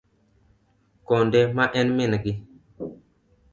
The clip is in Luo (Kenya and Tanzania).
Konde ma en min gi.